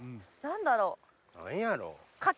何やろう？